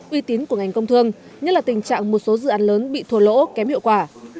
uy tín của ngành công thương nhất là tình trạng một số dự án lớn bị thua lỗ kém hiệu quả